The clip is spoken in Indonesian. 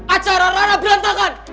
acara rara berantakan